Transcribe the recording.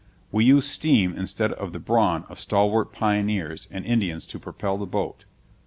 We used steam instead of the brawn of stalwart pioneers and Indians to propel the boat.